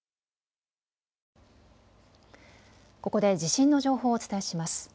ここで地震の情報をお伝えします。